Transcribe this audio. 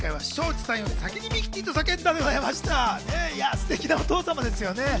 すてきなお父様ですね。